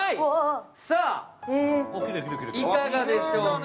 いかがでしょうか。